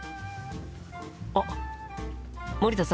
あっ森田さん。